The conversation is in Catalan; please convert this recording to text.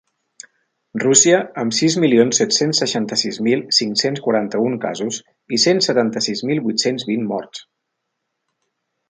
Rússia, amb sis milions set-cents seixanta-sis mil cinc-cents quaranta-un casos i cent setanta-sis mil vuit-cents vint morts.